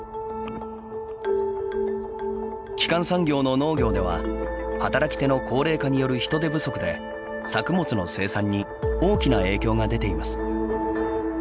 基幹産業の農業では働き手の高齢化による人手不足で作物の生産に大きな影響が出ています。